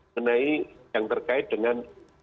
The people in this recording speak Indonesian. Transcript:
menaik yang terkait dengan